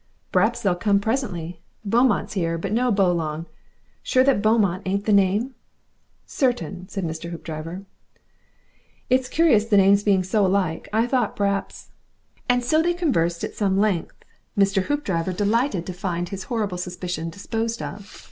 "P'raps they'll come presently. Beaumont's here, but no Bowlong. Sure that Beaumont ain't the name?" "Certain," said Mr. Hoopdriver. "It's curious the names being so alike. I thought p'raps " And so they conversed at some length, Mr. Hoopdriver delighted to find his horrible suspicion disposed of.